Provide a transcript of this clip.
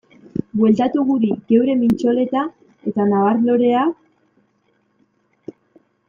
Bueltatu guri geure mitxoleta eta nabar-loreak?